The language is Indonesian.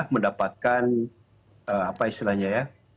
mendapatkan apa istilahnya ya